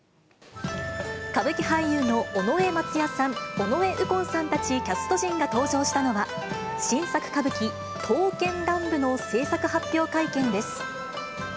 歌舞伎俳優の尾上松也さん、尾上右近さんたちキャスト陣が登場したのは、新作歌舞伎、刀剣乱舞の製作発表会見です。